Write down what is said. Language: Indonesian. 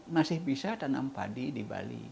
masih bisa tanam padi di bali